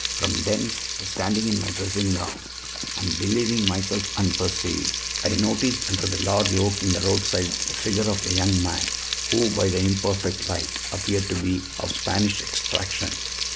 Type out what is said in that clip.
From thence, standing in my dressing gown, and believing myself unperceived, I noticed under the large oak in the roadside the figure of a young man who, by the imperfect light, appeared to be of Spanish extraction.